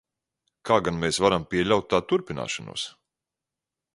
Kā gan mēs varam pieļaut tā turpināšanos?